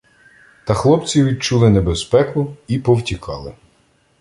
Та хлопці відчули небезпеку і повтікали.